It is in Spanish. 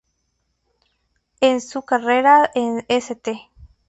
En su carrera en St.